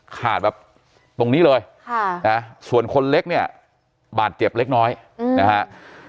ขาดแบบตรงนี้เลยส่วนคนเล็กเนี่ยบาดเจ็บเล็กน้อยนะฮะ